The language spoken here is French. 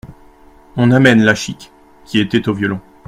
On amène La Chique, qui était au violon.